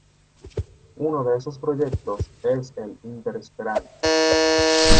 Uno de esos proyectos es el Inter-Esperanto.